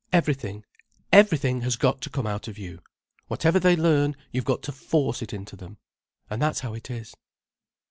Everything, everything has got to come out of you. Whatever they learn, you've got to force it into them—and that's how it is."